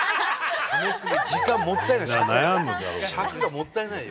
時間もったいない。